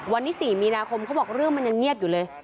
วันที่๔มีนาคมเขาบอกเรื่องมันยังเงียบอยู่เลย